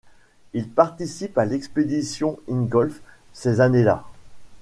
Il participe à l'expédition Ingolf ces années-là.